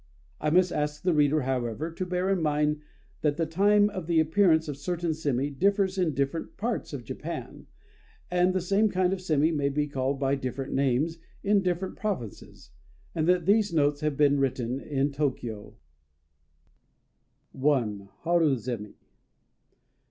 I must ask the reader, however, to bear in mind that the time of the appearance of certain sémi differs in different parts of Japan; that the same kind of sémi may be called by different names in different provinces; and that these notes have been written in Tôkyô. I. HARU ZÉMI.